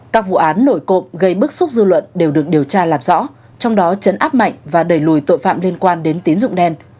các vụ án nổi cộng gây bức xúc dư luận đều được điều tra làm rõ trong đó chấn áp mạnh và đẩy lùi tội phạm liên quan đến tín dụng đen